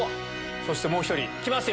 そしてもう１人、来ますよ。